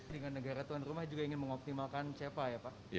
dengan negara tuan rumah juga ingin mengoptimalkan cewek